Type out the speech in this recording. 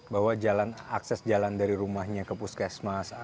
bahwa akses jalan dari rumahnya ke puskesmas